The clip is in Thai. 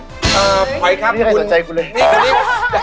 คุณพี่ใครสนใจคุณเลย